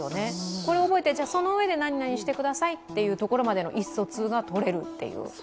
これを覚えて、その上でなになにをしてくださいというところまで意思疎通がとれるという。